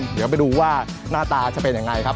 เดี๋ยวไปดูว่าหน้าตาจะเป็นยังไงครับ